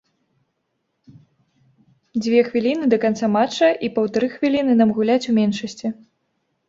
Дзве хвіліны да канца матча і паўтары хвіліны нам гуляць у меншасці.